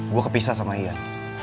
gue kepisah sama ian